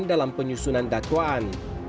dalam penyusunan dakwaan